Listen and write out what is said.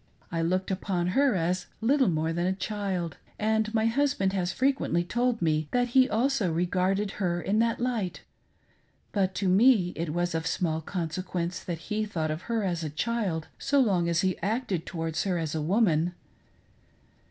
I looked upon her as little more than a child, and my husband has frequently told me that he also regarded her in that light, but to me it was of small consequence that he thought of her as a child, so long as he acted towards her as a woman.